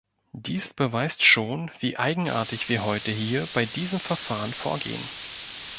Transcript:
Dies beweist schon, wie eigenartig wir heute hier bei diesem Verfahren vorgehen.